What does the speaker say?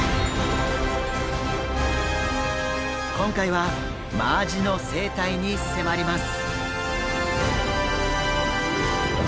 今回はマアジの生態に迫ります。